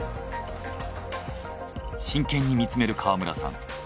真剣に見つめる川村さん。